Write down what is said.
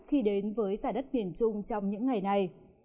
khi đến với giải đất miền trung trong những ngày này